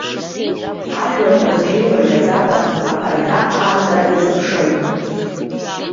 Ажәлар рыбжьы мыргаӡакәа аԥарда аартра иазыԥшын.